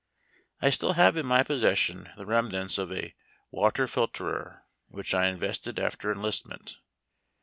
I still have in my possession the remnants of a water filterer in which I invested after enlistment.